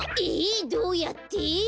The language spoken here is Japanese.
えっどうやって？